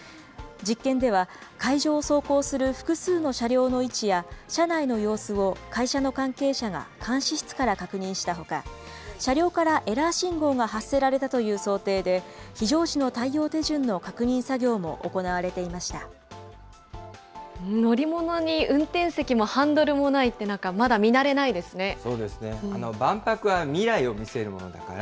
実験では、会場を走行する複数の車両の位置や車内の様子を、会社の関係者が監視室から確認したほか、車両からエラー信号が発せられたという想定で、非常時の対応手順の確認作業も行われてい乗り物に運転席もハンドルもないって、なんかまだ見慣れないですね。